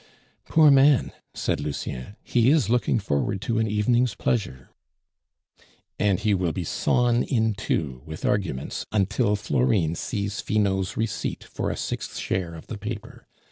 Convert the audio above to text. "Poor man!" said Lucien, "he is looking forward to an evening's pleasure." "And he will be sawn in two with arguments until Florine sees Finot's receipt for a sixth share of the paper.